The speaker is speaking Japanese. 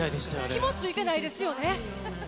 ひもついてないですよね。